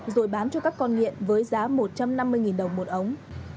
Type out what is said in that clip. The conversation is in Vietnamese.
rồi bán cho các con nghiện với giá một trăm năm mươi đồng một ống